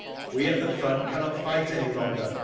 We at the front cannot fight any longer.